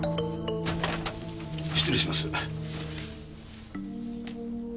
失礼します。